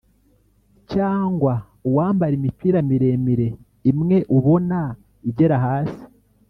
cyangwa uwambara imipira miremire imwe ubona igera hasi